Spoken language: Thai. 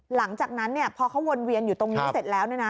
หลังจากนั้นเนี่ยพอเขาวนเวียนอยู่ตรงนี้เสร็จแล้วเนี่ยนะ